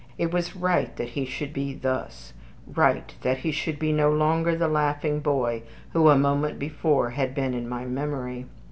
It was right that he should be thus right that he should be no longer the laughing boy who a moment before had been in my memory.